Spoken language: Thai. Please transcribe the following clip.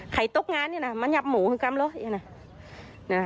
ใครตกงานเนี่ยมันหยับหมูกำลัง